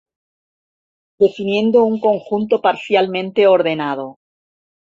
Definiendo un conjunto parcialmente ordenado.